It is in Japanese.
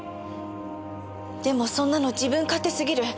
でもそんなの自分勝手過ぎる。